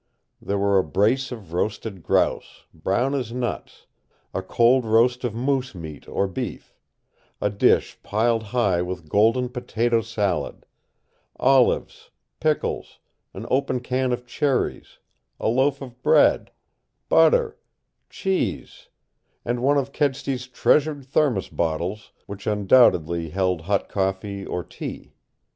There were a brace of roasted grouse, brown as nuts; a cold roast of moose meat or beef; a dish piled high with golden potato salad; olives, pickles, an open can of cherries, a loaf of bread, butter, cheese and one of Kedsty's treasured thermos bottles, which undoubtedly held hot coffee or tea.